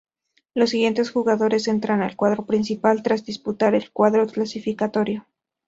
Los siguientes jugadores entran al cuadro principal tras disputar el cuadro clasificatorio.